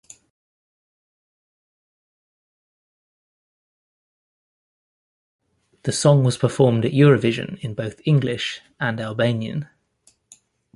The song was performed at Eurovision in both English and Albanian.